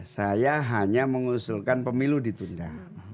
saya hanya mengusulkan pemilu ditunda